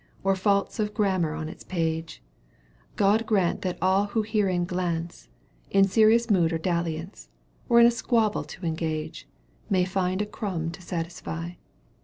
Or faults of grammar on its page — Grod grant that all who herein glance, In serious mood or dalliance Or in a squabble to engage. May find a crumb to satisfy.